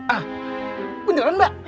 ah beneran mbak